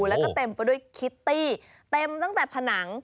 แล้วก็เต็มไปด้วยคิตตี้เต็มตั้งแต่ผนัง